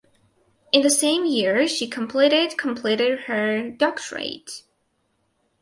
In the same year she completed completed her doctorate.